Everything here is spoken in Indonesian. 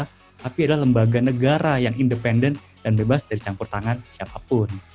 tapi adalah lembaga negara yang independen dan bebas dari campur tangan siapapun